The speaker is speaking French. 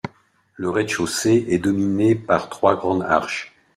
Le rez de chaussée est dominé par trois grandes arches.